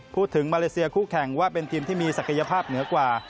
มาเลเซียคู่แข่งว่าเป็นทีมที่มีศักยภาพเหนือกว่า